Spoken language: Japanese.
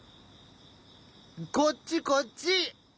こっちこっち！